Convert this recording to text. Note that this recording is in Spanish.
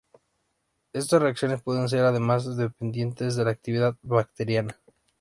Estas reacciones pueden ser además dependientes de la actividad bacteriana.